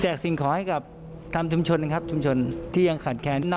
แจกสิ่งขอให้ทั้งชุมชนที่ยังขันแขน